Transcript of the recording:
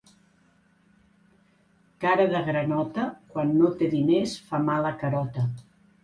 Cara de granota, quan no té diners fa mala carota